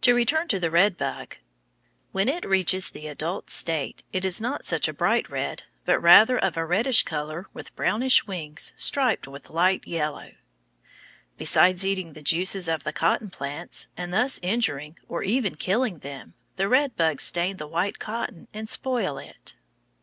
To return to the red bug. When it reaches the adult state, it is not such a bright red, but rather of a reddish color with brownish wings striped with light yellow. Beside eating the juices of the cotton plants and thus injuring or even killing them, the red bugs stain the white cotton and spoil it.